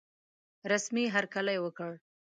رسمي هرکلی وکړ.